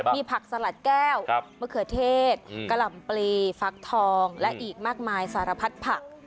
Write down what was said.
มีผักสลัดแก้วมะเขือเทศกะหล่ำปลีฟักทองและอีกมากมายสารพัดผัก